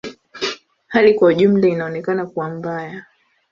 Hali kwa ujumla inaonekana kuwa mbaya.